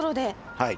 はい。